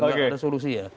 tidak ada solusi ya